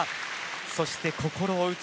そして心を映す